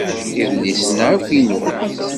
Idlisen-a akk inu.